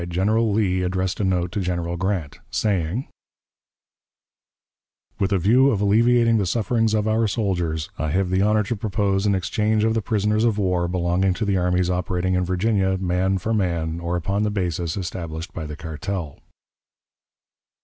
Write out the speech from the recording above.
General Lee addressed a note to General Grant, saying: "With a view of alleviating the sufferings of our soldiers, I have the honor to propose an exchange of the prisoners of war belonging to the armies operating in Virginia, man for man, or upon the basis established by the cartel."